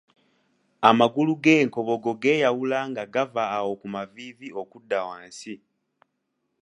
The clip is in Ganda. Amagulu ag’enkobogo geeyawula nga gava awo ku maviivi okudda wansi.